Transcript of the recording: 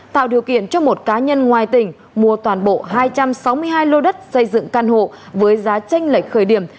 tạo điều kiện cho một cá nhân ngoài tỉnh mua toàn bộ hai trăm sáu mươi hai lô đất xây dựng căn hộ với giá tranh lệch khởi điểm